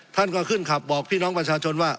ท่านก็ขึ้นขับบอกพี่น้องประชาชนว่า